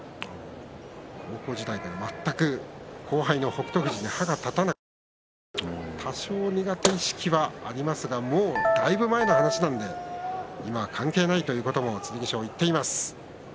高校時代から全く後輩の北勝富士に歯が立たなかったという多少の苦手意識はありますがもうだいぶ前の話なんでもう関係ないということを剣翔は言っています。